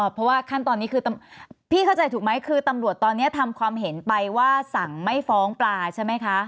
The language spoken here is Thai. เพราะว่าขั้นตอนนี้คือพี่เข้าใจถูกไหมคือตำรวจตอนนี้ทำความเห็นไปว่าสั่งไม่ฟ้องปลาใช่ไหมคะ